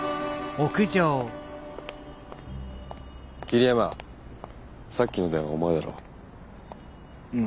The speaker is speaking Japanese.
桐山さっきの電話お前だろ？